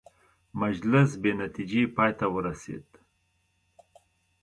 مجلس بې نتیجې پای ته ورسېد.